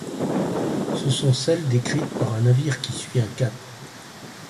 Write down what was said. Ce sont celles décrites par un navire qui suit un cap.